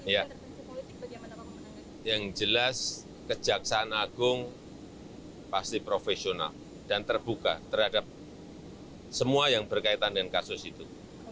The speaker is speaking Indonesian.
ya yang jelas kejaksaan agung pasti profesional dan terbuka terhadap semua yang berkaitan dengan kasus itu